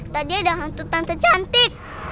tadi ada hantu tanpa cantik